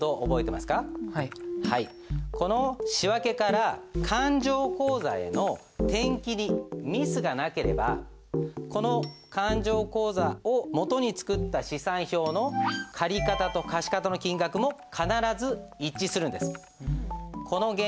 この仕訳から勘定口座への転記にミスがなければこの勘定口座を基に作った試算表の借方と貸方の金額も必ず一致するんです。